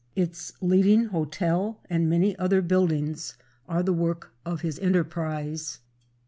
Its leading hotel and many other buildings are the work of his enterprise.